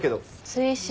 追試。